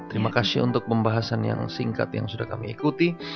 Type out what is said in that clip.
terima kasih untuk pembahasan yang singkat yang sudah kami ikuti